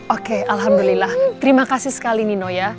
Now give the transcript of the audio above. oke alhamdulillah terima kasih sekali nino ya